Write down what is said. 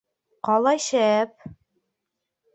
— Ҡалай шәп!